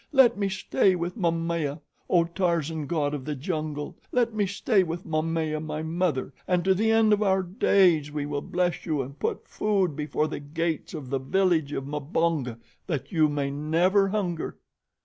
Let me stay with Momaya, O Tarzan, God of the Jungle! Let me stay with Momaya, my mother, and to the end of our days we will bless you and put food before the gates of the village of Mbonga that you may never hunger."